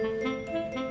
kamu mau ke rumah